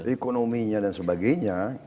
ekonominya dan sebagainya